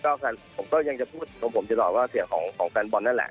ก็แฟนผมก็ยังจะพูดของผมตลอดว่าเสียงของแฟนบอลนั่นแหละ